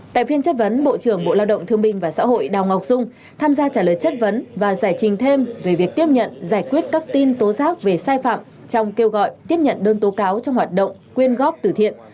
tại phiên chất vấn bộ trưởng bộ lao động thương minh và xã hội đào ngọc dung tham gia trả lời chất vấn và giải trình thêm về việc tiếp nhận giải quyết các tin tố giác về sai phạm trong kêu gọi tiếp nhận đơn tố cáo trong hoạt động quyên góp tử thiện